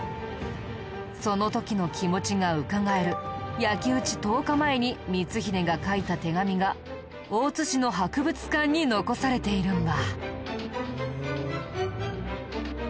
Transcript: その時の気持ちがうかがえる焼き討ち１０日前に光秀が書いた手紙が大津市の博物館に残されているんだ。